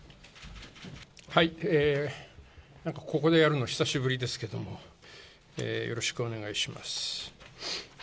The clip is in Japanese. なんかここでやるの、久しぶりですけど、よろしくお願いします。